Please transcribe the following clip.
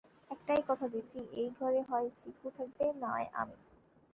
একটাই কথা দিদি, এই ঘরে হয় চিকু থাকবে, নয় আমি।